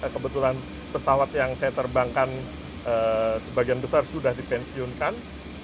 kebetulan pesawat yang saya terbangkan sebagian besar sudah dipensiunkan